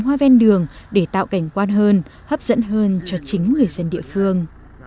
hoa ven đường để tạo cảnh quan hơn hấp dẫn hơn cho chính người dân địa phương